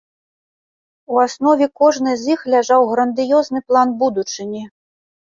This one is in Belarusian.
У аснове кожнай з іх ляжаў грандыёзны план будучыні.